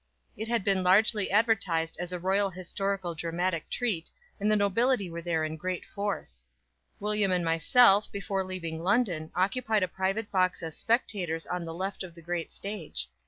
It had been largely advertised as a royal historical dramatic treat, and the nobility were there in great force. William and myself before leaving London occupied a private box as spectators on the left of the great stage.